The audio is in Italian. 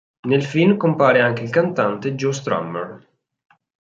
Nel film compare anche il cantante Joe Strummer.